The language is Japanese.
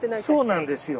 そうなんですよ。